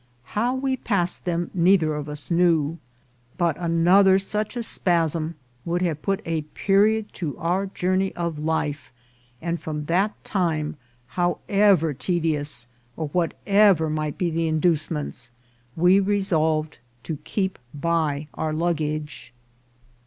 How we passed them neither of us knew ; but another such a spasm would have put a period to our journey of life ; and from that time, however tedious, or whatever might be the inducements, we resolved to keep by our luggage.